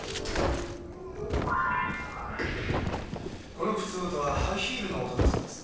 この靴音はハイヒールの音だそうです。